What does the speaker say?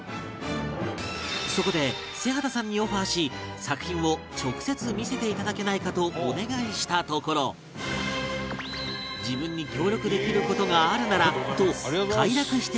そこで瀬畑さんにオファーし作品を直接見せていただけないかとお願いしたところ自分に協力できる事があるならと快諾していただける事に